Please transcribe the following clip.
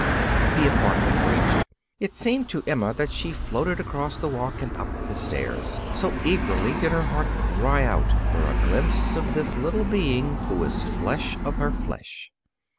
The apartment reached, it seemed to Emma that she floated across the walk and up the stairs, so eagerly did her heart cry out for a glimpse of this little being who was flesh of her flesh.